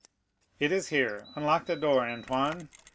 "It is here; unlock the door, Antoine."